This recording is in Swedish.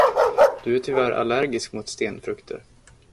Du är tyvärr allergisk mot stenfrukter.